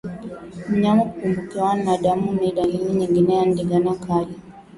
Mnyama kupungukiwa na damu ni dalili nyingine ya ndigana kali